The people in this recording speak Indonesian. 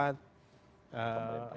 ahlinya juga memiliki kapabilitas yang tepat